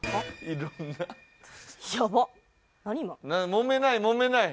もめないもめない。